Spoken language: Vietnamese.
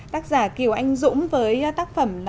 tác giả kiều anh dũng với tác phẩm